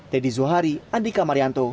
dedi zuhari andika marianto